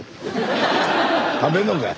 食べんのかい。